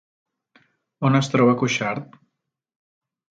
On es troba Cuixart?